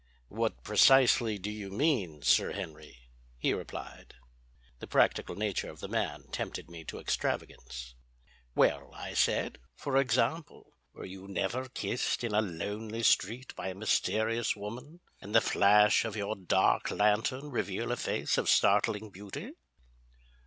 "What precisely do you mean, Sir Henry?" he replied. The practical nature of the man tempted me to extravagance. "Well," I said, "for example, were you never kissed in a lonely street by a mysterious woman and the flash of your dark lantern reveal a face of startling beauty?"